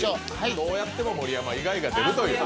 どうやっても盛山以外が出ると。